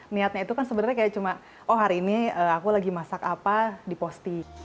niatnya itu kan sebenarnya kayak cuma oh hari ini aku lagi masak apa diposting